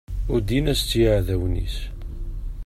Uddin-as-tt yiɛdawen-is.